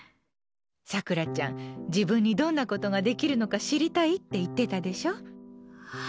さくらちゃん自分にどんなことができるのか知りたいって言ってたでしょ。